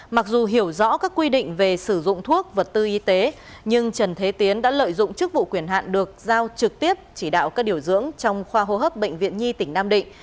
mặc dù hiểu rõ các quy định về sử dụng thuốc vật tư y tế nhưng trần thế tiến đã lợi dụng chức vụ quyền hạn được giao trực tiếp chỉ đạo các điều dưỡng trong khoa hô hấp bệnh viện nhi tỉnh nam định